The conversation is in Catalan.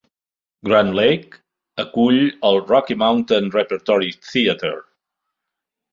Grand Lake acull el Rocky Mountain Repertory Theatre.